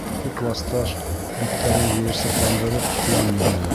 Ике класташ биттәрен йыйырсыҡландырып күҙен йомдо.